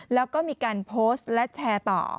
แล้วก็มีการโพสต์และแชร์ต่อ